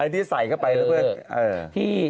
ไอ้ที่ใส่เข้าไป